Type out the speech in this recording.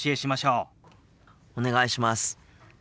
お願いします。